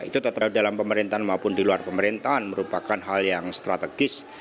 itu tetap dalam pemerintahan maupun di luar pemerintahan merupakan hal yang strategis